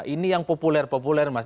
ini yang populer populer mas